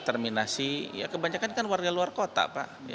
terminasi ya kebanyakan kan warga luar kota pak